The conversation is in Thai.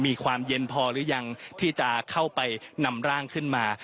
มีความเย็นพอหรือยังที่จะเข้าไปนำร่างขึ้นมา